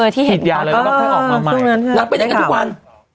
ถี่ดยาเลยมันก็ให้ออกมาใหม่นักเป็นอย่างนั้นทุกวัน